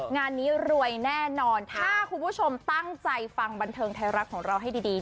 งานนี้รวยแน่นอนถ้าคุณผู้ชมตั้งใจฟังบันเทิงไทยรัฐของเราให้ดี